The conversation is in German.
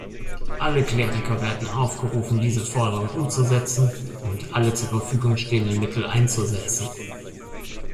Alle Kleriker werden aufgerufen diese Forderungen umzusetzen und alle zur Verfügung stehenden Mittel einzusetzen.